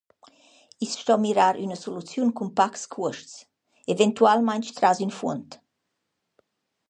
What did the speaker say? I’s sto mirar üna soluziun cun pacs cuosts, eventualmaing tras ün fuond.